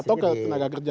atau ke tenaga kerja ya